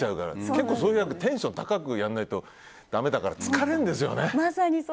結構、そういう役ってテンション高くやらないとだめだから疲れるんですよね。